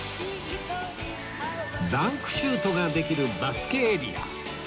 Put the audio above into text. ダンクシュートができるバスケエリア